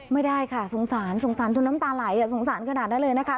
ไม่ได้ค่ะสงสารสงสารจนน้ำตาไหลสงสารขนาดนั้นเลยนะคะ